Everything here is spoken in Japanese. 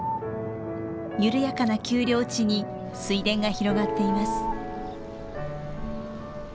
緩やかな丘陵地に水田が広がっています。